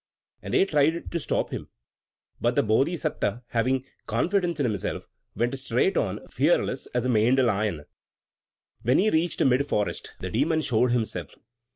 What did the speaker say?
And they tried to stop him. But the Bodhisatta, having confidence in himself, went straight on, fearless as a maned lion. When he reached mid forest the Demon showed himself.